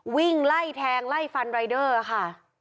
วิ่งไล่แทงไล่ฟันรายเดอร์ค่ะ